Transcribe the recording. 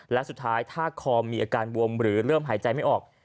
และสุดท้ายถ้าคอมีอาการบวมหรือเริ่มหายใจไม่ออก